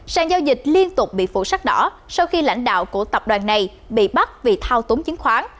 sàn giao dịch liên tục bị phụ sắc đỏ sau khi lãnh đạo của tập đoàn này bị bắt vì thao túng chứng khoán